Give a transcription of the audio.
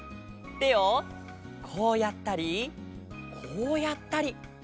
てをこうやったりこうやったり。